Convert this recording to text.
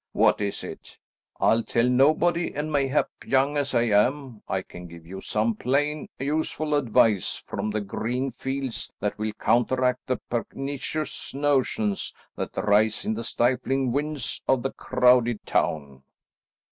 What is it? I'll tell nobody, and mayhap, young as I am, I can give you some plain, useful advice from the green fields that will counteract the pernicious notions that rise in the stifling wynds of the crowded town."